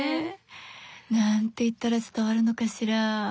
何て言ったら伝わるのかしら。